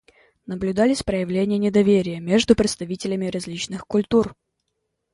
Наблюдались проявления недоверия между представителями различных культур.